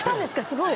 すごい！